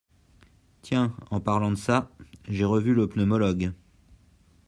Tiens, en parlant de ça, j’ai revu le pneumologue.